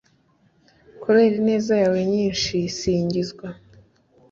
kubera ineza yawe nyinshi singizwa